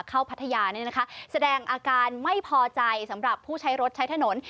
เข้าพัทยาเนี่ยนะคะแสดงอาการไม่พอใจสำหรับผู้ใช้รถใช้ถนน